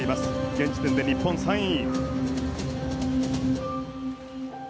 現時点で日本が３位。